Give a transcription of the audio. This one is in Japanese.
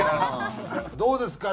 どうですか？